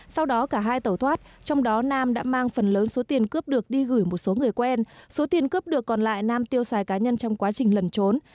sau đó cả hai tẩu thoát trong đó nam đã mang phần lớn số tiền cướp được đi gửi một số người quen số tiền cướp được còn lại nam tiêu xài cá nhân trong quá trình lần trốn